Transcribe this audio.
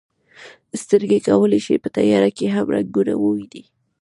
سترګې کولی شي په تیاره کې هم رنګونه وویني.